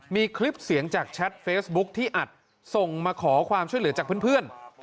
มีคลิปเสียงจากแชทเฟซบุ๊คที่อัดส่งมาขอความช่วยเหลือจากเพื่อน